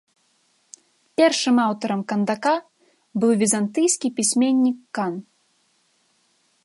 Першым аўтарам кандака быў візантыйскі пісьменнік кан.